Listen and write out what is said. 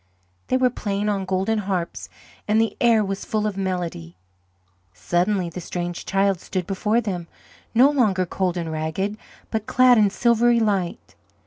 They were playing on golden harps and the air was full of melody. Suddenly the Strange Child stood before them: no longer cold and ragged, but clad in silvery light.